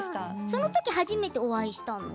そのときに初めてお会いしたの？